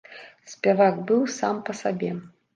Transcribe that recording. Спявак быў сам па сабе.